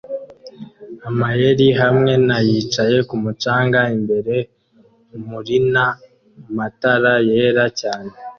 amayeri hamwe na yicaye kumu canga imbere murina matara yera cyane